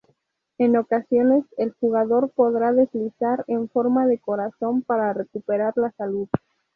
En ocasiones, el jugador podrá deslizar en forma de corazón para recuperar la salud.